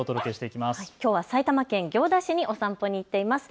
きょうは埼玉県行田市にお散歩に行っています。